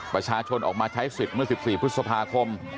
ประชาชนออกมาใช้สิทธิ์เมื่อ๑๔พฤษภาคม